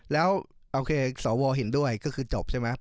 แล้วโอเคสวเห็นด้วยก็คือจบใช่ไหม